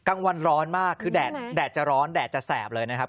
กลางวันร้อนมากคือแดดจะร้อนแดดจะแสบเลยนะครับ